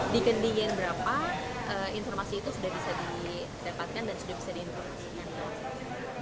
di ketinggian berapa informasi itu sudah bisa didapatkan dan sudah bisa diinformasikan